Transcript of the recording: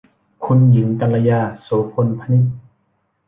คุณหญิงกัลยา โสภณพนิช